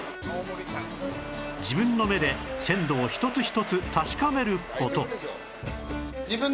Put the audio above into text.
自分の目で鮮度を一つ一つ確かめる事